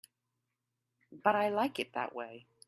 But I like it that way.